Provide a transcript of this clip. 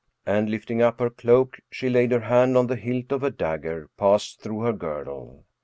And, lifting up her cloak, she laid her hand on the hilt of a dagger passed through her girdle.